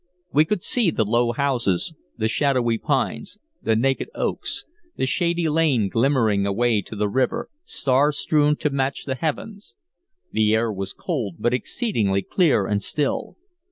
We could see the low houses, the shadowy pines, the naked oaks, the sandy lane glimmering away to the river, star strewn to match the heavens. The air was cold, but exceedingly clear and still.